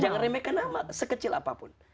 jangan remehkan amat sekecil apapun